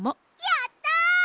やったあ！